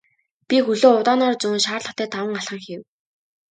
Би хөлөө удаанаар зөөн шаардлагатай таван алхам хийв.